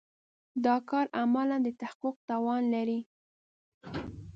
دا کار عملاً د تحقق توان لري.